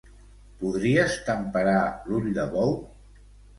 Podries temperar l'ull de bou?